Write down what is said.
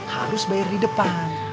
harus bayar di depan